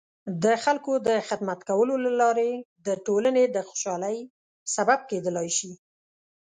د خلکو د خدمت کولو له لارې د ټولنې د خوشحالۍ سبب کیدلای شي.